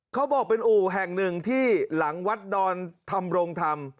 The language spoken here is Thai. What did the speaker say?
เขาบอกเป็นอู่แห่งหนึ่งที่หลังวัดดอนธรรมรงธรรม